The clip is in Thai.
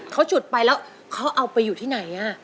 เขาจุดไปแล้วเขาเอาไปอยู่ที่ไหน